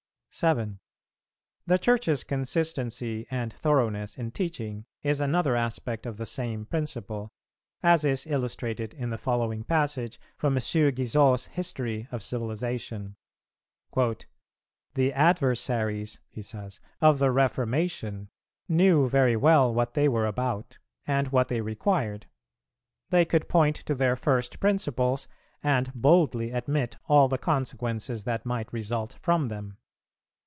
7. The Church's consistency and thoroughness in teaching is another aspect of the same principle, as is illustrated in the following passage from M. Guizot's History of Civilization. "The adversaries," he says, "of the Reformation, knew very well what they were about, and what they required; they could point to their first principles, and boldly admit all the consequences that might result from them.